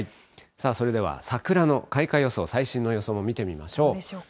さあそれでは、桜の開花予想、最新の予想も見てみましょう。